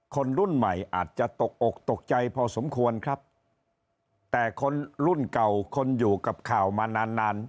คนรุ่นใหม่อาจจะตกอกตกใจพอสมควรครับแต่คนรุ่นเก่าคนอยู่กับข่าวมานานนาน